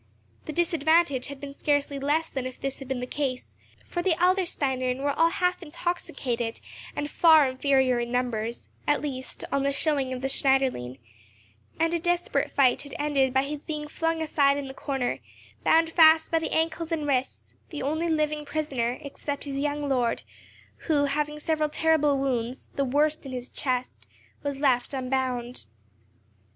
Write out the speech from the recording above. The disadvantage had been scarcely less than if this had been the case, for the Adlersteinern were all half intoxicated, and far inferior in numbers—at least, on the showing of the Schneiderlein—and a desperate fight had ended by his being flung aside in a corner, bound fast by the ankles and wrists, the only living prisoner, except his young lord, who, having several terrible wounds, the worst in his chest, was left unbound.